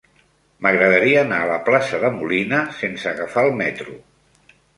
M'agradaria anar a la plaça de Molina sense agafar el metro.